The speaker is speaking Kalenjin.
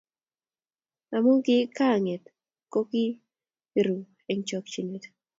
Amu ki kang'et ko ki ru eng chokchinet